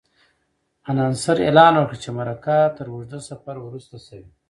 انانسر اعلان وکړ چې مرکه تر اوږده سفر وروسته شوې.